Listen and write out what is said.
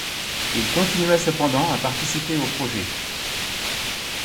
Il continua cependant à participer au projet.